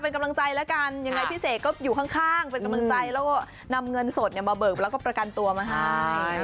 เป็นกำลังใจแล้วกันยังไงพี่เสกก็อยู่ข้างเป็นกำลังใจแล้วก็นำเงินสดมาเบิกแล้วก็ประกันตัวมาให้